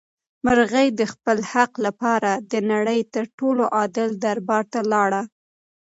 مرغۍ د خپل حق لپاره د نړۍ تر ټولو عادل دربار ته لاړه.